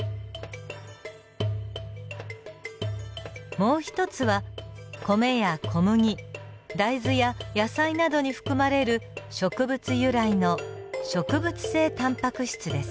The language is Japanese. もう一つは米や小麦大豆や野菜などに含まれる植物由来の植物性タンパク質です。